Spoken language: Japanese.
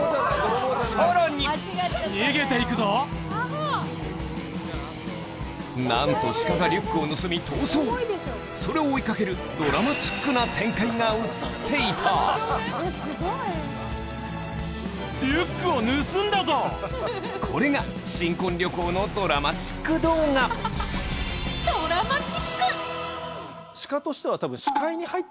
さらになんとシカがリュックを盗み逃走それを追いかけるドラマチックな展開が写っていたこれが新婚旅行のドラマチック動画確かに。